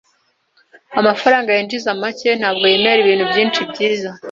Amafaranga yinjiza make ntabwo yemerera ibintu byinshi byiza.